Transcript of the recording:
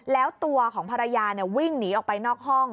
แล้วตัวของภรรยาวิ่งหนีออกไปนอกห้อง